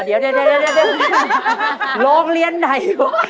เดี๋ยวโรงเรียนไหน